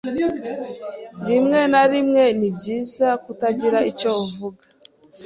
Rimwe na rimwe ni byiza kutagira icyo uvuga.